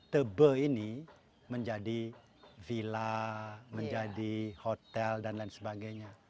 tebe ini menjadi villa menjadi hotel dan lain sebagainya